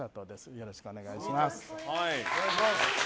よろしくお願いします。